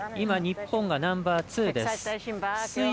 日本がナンバーツーです。